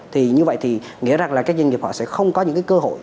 thì như vậy thì nghĩa rằng là các doanh nghiệp họ sẽ không có những cái cơ hội